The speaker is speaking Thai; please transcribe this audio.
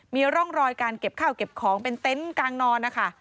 มีร่องรอยการเก็บข้าวเก็บของเป็นเต็นต์กลางนอนนะคะ